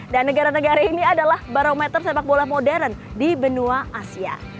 dan negara negara ini adalah barometer sepak bola modern di benua asia